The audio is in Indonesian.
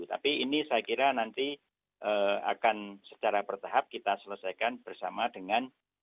tapi ini saya kira nanti akan secara bertahap kita selesaikan bersama dengan